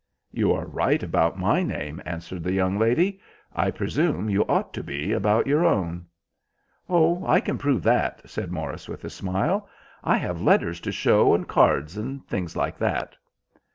"You are right about my name," answered the young lady, "I presume you ought to be about your own." "Oh, I can prove that," said Morris, with a smile. "I have letters to show, and cards and things like that."